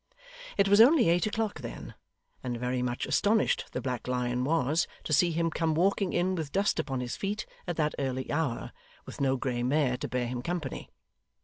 It was only eight o'clock then, and very much astonished the Black Lion was, to see him come walking in with dust upon his feet at that early hour, with no grey mare to bear him company.